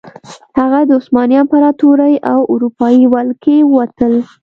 هغه د عثماني امپراتورۍ او اروپايي ولکې ووتل.